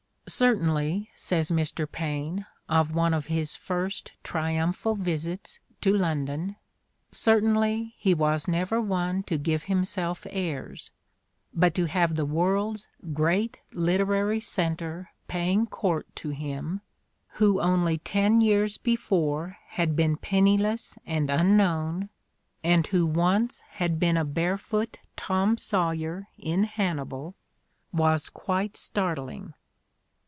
"Cer tainly," says Mr. Paine, of one of his first triumphal visits to London, "certainly he was never one to give himself airs; but to have the world's great literary center paying court to him, who only ten years before had been penniless and unknown, and who once had 92 The Ordeal of Mark Twain been a barefoot Tom Sawyer in Hannibal, was quite startling."